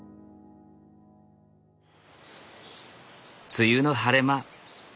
梅雨の晴れ間。